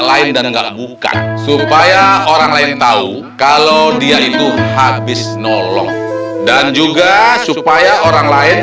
lain dan enggak lakukan supaya orang lain tahu kalau dia itu habis nolong dan juga supaya orang lain